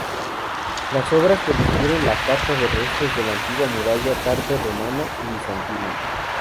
Las obras permitieron la cata de restos de la antigua muralla tardo-romana y bizantina.